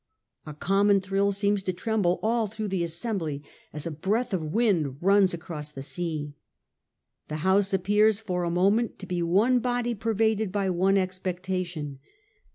A common thrill seems to tremble all through the assembly as a breath of wind runs across the sea. The House appears for the moment to be one body pervaded by one expectation.